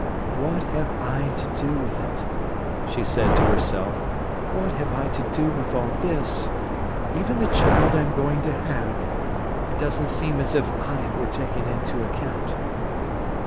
"What have I to do with it?" she said to herself. "What have I to do with all this? Even the child I am going to have! It doesn't seem as if I were taken into account."